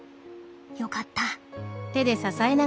よかった。